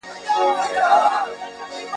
دا سړی چي درته ځیر دی مخامخ په آیینه کي ..